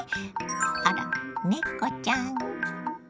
あら猫ちゃん。